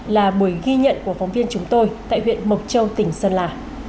là buổi ghi nhận của phóng viên chúng tôi tại huyện mộc châu tỉnh sơn la